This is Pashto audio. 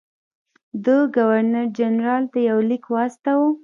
ده ګورنرجنرال ته یو لیک واستاوه.